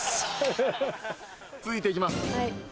続いていきます。